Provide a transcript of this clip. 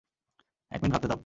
এক মিনিট ভাবতে দাও।